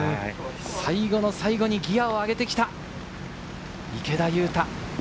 最後の最後にギアを上げてきた、池田勇太。